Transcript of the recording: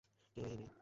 কে রে এই মেয়ে?